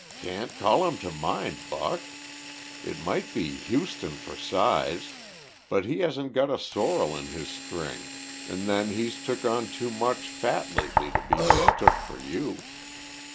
"Can't call him to mind, Buck. It might be Huston for size, but he hasn't got a sorrel in his string, an' then he's took on too much fat lately to be mistook for you.